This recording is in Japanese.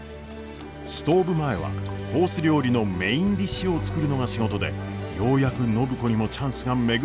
ストーブ前はコース料理のメインディッシュを作るのが仕事でようやく暢子にもチャンスが巡ってきたのです。